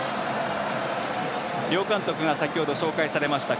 両監督が先ほど紹介されました。